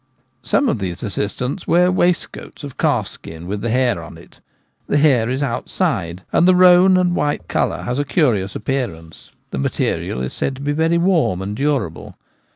Some of these assistants wear waistcoats of calfskin with the hair on it The hair is outside, and the roan and white colour has a curious appearance : the material is said to be very warm and durable.